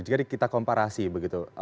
jadi kita komparasi begitu